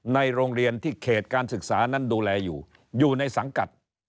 ในโรงเรียนที่เขตการศึกษานั้นดูแลอยู่อยู่ในสังกัด